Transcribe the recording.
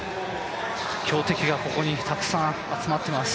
強敵がここにたくさん集まっています。